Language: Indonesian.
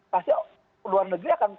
pasti luar negeri akan